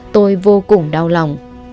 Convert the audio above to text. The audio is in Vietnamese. tôi vô cùng đau lòng